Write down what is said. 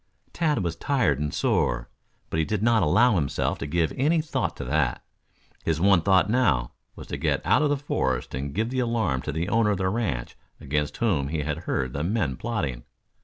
Tad was tired and sore, but he did not allow himself to give any thought to that. His one thought now, was to get out of the forest and give the alarm to the owner of the ranch against whom he had heard the men plotting.